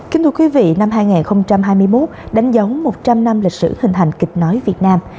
kính thưa quý vị năm hai nghìn hai mươi một đánh dấu một trăm linh năm lịch sử hình thành kịch nói việt nam